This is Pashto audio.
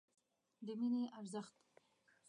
د مینې ارزښت